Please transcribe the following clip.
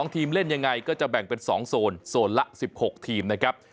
ทีมเล่นยังไงก็จะแบ่งเป็น๒โซนโซนละ๑๖ทีมนะครับ